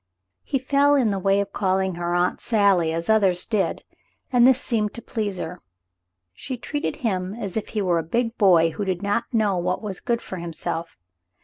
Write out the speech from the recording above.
He fell in the way of calling her "Aunt Sally" as others did, and this seemed to please her. She treated him as if he were a big boy who did not know what was good for him self.